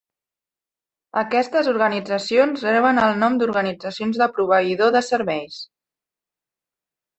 Aquestes organitzacions reben el nom d"organitzacions de proveïdor de serveis.